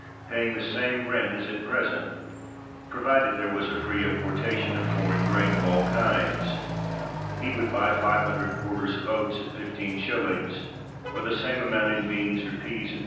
pay ing the same rent as at present, provided there was a free importation of foreign grain of all kinds. He would buy 500 quarters of oats at 15s., or the same amount in beans or peas at 145.